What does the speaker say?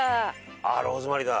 あっローズマリーだ。